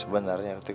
sebenarnya itu kemahak